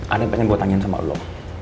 ada yang pengen gue tanyain sama allah